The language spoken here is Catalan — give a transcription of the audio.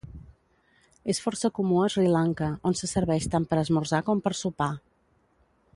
És força comú a Sri Lanka, on se serveix tant per esmorzar com per sopar.